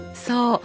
そう。